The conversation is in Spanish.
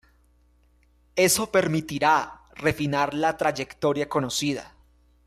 Eso permitirá refinar la trayectoria conocida.